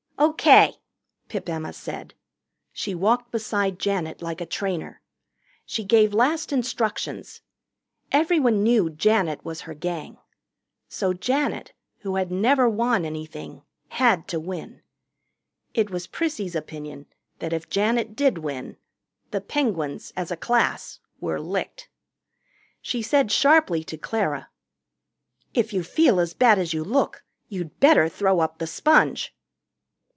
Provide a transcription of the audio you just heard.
"O.K.," Pip Emma said. She walked beside Janet like a trainer. She gave last instructions. Everyone knew Janet was her Gang. So Janet, who had never won anything, had to win. It was Prissy's opinion that if Janet did win, the Penguins, as a class, were licked. She said sharply to Clara, "If you feel as bad as you look, you'd better throw up the sponge."